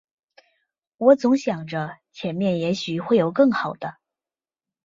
我总想着前面也许会有更好的